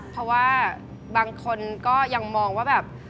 เพราะว่าบางคนก็ยังมองว่าแบบ